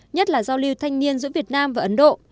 nhất là giao lưu thanh niên giữa việt nam và ấn độ